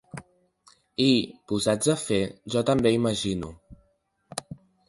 I, posats a fer, jo també imagino.